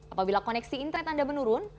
apabila koneksi internet anda menurun